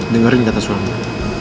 dengerin kata suami